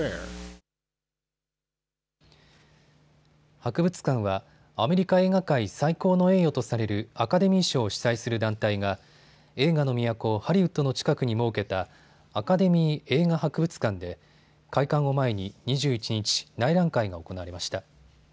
博物館はアメリカ映画界最高の栄誉とされるアカデミー賞を主催する団体が映画の都、ハリウッドの近くに設けたアカデミー映画博物館で開館を前に２１日、内覧会が行われました。